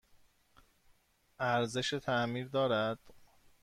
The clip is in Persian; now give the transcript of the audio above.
ارزش تعمیر دارد؟